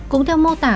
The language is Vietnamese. cũng theo mô tả